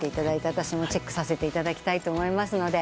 私もチェックさせていただきたいと思います。